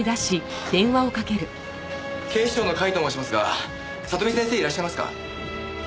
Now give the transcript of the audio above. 警視庁の甲斐と申しますが里見先生いらっしゃいますか？